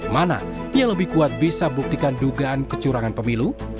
mana ia lebih kuat bisa buktikan dugaan kecurangan pemilu